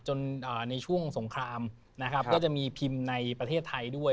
ในช่วงสงครามนะครับก็จะมีพิมพ์ในประเทศไทยด้วย